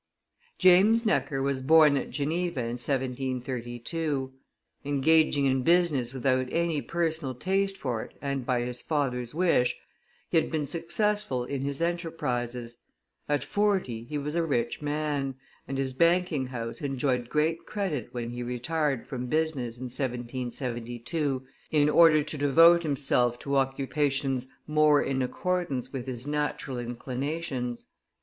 James Necker was born at Geneva in 1732. Engaging in business without any personal taste for it and by his father's wish, he had been successful in his enterprises; at forty he was a rich man, and his banking house enjoyed great credit when he retired from business, in 1772, in order to devote himself to occupations more in accordance with his natural inclinations.